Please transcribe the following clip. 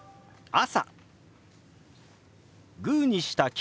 「朝」。